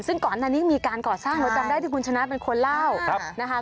ซึ่งก่อนอันนี้มีการก่อสร้างเราจำได้ที่คุณชนะเป็นคนเล่านะคะ